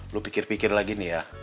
lu pikir pikir lagi nih ya